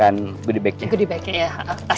aku minta backgroundnya